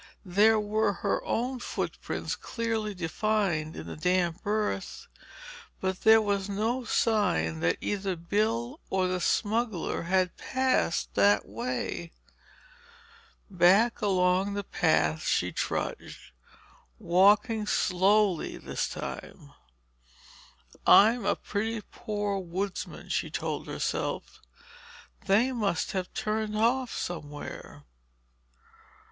There were her own footprints clearly defined in the damp earth—but there was no sign that either Bill or the smuggler had passed that way. Back along the path she trudged, walking slowly this time. "I'm a pretty poor woodsman," she told herself. "They must have turned off somewhere."